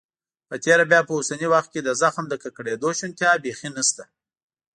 په تیره بیا په اوسني وخت کې د زخم د ککړېدو شونتیا بيخي نشته.